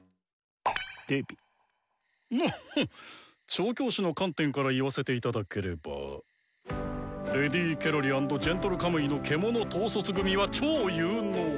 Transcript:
調教師の観点から言わせて頂ければＬ・ケロリ＆Ｇ・カムイの獣統率組は超有能！